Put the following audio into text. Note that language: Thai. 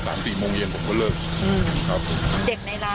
แต่ไม่มีใครกล้าวิ่งมาดูนะครับ